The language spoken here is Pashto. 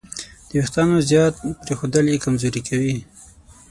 د وېښتیانو زیات پرېښودل یې کمزوري کوي.